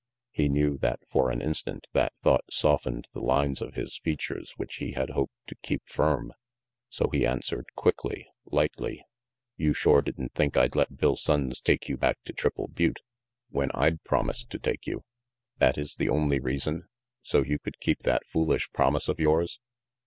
He knew that for an instant that thought softened the lines of his features which he had hoped to keep firm; so he answered quickly, lightly "You shore didn't think I'd let Bill Sonnes take you back to Triple Butte, when I'd promised to take you." "That is the only reason, so you could keep that foolish promise of yours?"